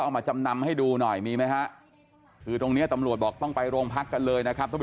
ใช่เช่นน้ำหนักอะไรแบบเนี่ยมันก็ไม่เป็นแล้ว